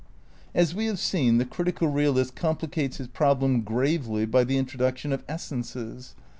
As we have seen, the critical realist complicates his problem gravely by the introduction of essences.